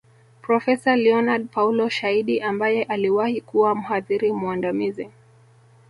Profesa Leonard Paulo Shaidi ambaye aliwahi kuwa mhadhiri mwandamizi